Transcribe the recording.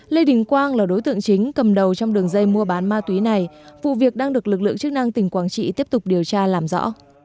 lê đình quang là đối tượng chính cầm đầu trong đường dây mua bán ma túy này vụ việc đang được lực lượng chức năng tỉnh quảng trị tiếp tục điều tra làm rõ